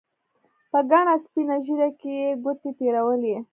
په گڼه سپينه ږيره کښې يې گوتې تېرولې.